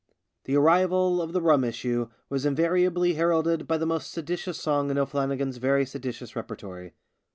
The arrival of the rum issue was invariably heralded by the most seditious song in O'Flannigan' s very seditious repertory.